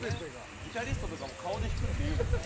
ギタリストとかも顔で弾くっていうもんね。